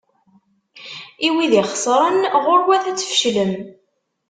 I wid ixesren, ɣur-wat ad tfeclem!